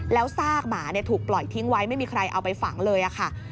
แล้วซากหมาถูกปล่อยทิ้งไว้ไม่มีใครเอาไปฝังเลยค่ะ